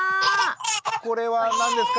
これは何ですか